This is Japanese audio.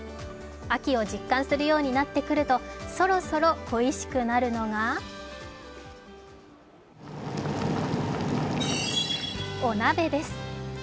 秋を実感するようになってくるとそろそろ恋しくなってくるのがお鍋です。